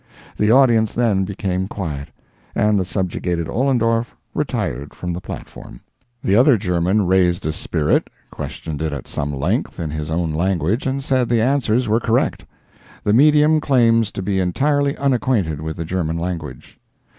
The audience then became quiet, and the subjugated Ollendorf retired from the platform. The other German raised a spirit, questioned it at some length in his own language, and said the answers were correct. The medium claims to be entirely unacquainted with the German language.